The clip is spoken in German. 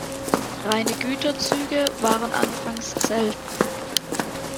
Reine Güterzüge waren anfangs selten.